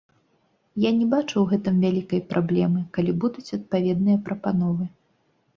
Я не бачу ў гэтым вялікай праблемы, калі будуць адпаведныя прапановы.